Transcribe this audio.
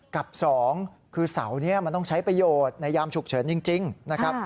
กับสองคือเสานี้มันต้องใช้ประโยชน์ในยามฉุกเฉินจริงนะครับ